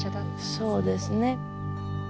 そうですね。